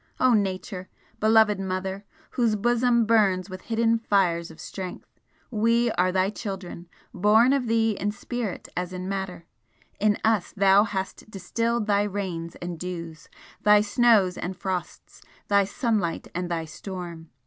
O Nature, beloved Mother, whose bosom burns with hidden fires of strength, we are thy children, born of thee in spirit as in matter, in us thou hast distilled thy rains and dews, thy snows and frosts, thy sunlight and thy storm!